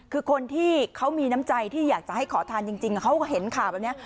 คือคนที่เขามีน้ำใจที่อยากจะให้ขอทานจริงเขาก็เห็นข่าวแบบนี้